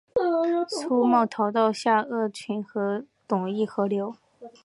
苏茂逃到下邳郡和董宪合流。